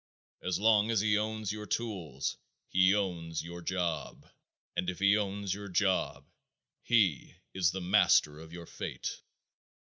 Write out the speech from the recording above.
As long as he owns your tools he owns your job, and if he owns your job he is the master of your fate.